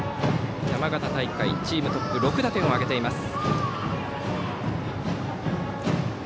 山形大会チームトップの６打点を挙げています。